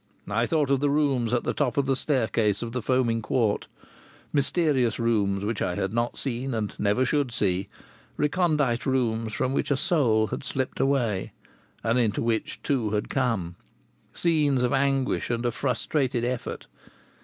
I thought of the rooms at the top of the staircase of the Foaming Quart mysterious rooms which I had not seen and never should see, recondite rooms from which a soul had slipped away and into which two had come, scenes of anguish and of frustrated effort!